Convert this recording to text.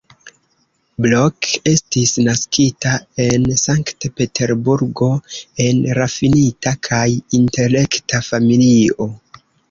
Blok estis naskita en Sankt-Peterburgo en rafinita kaj intelekta familio.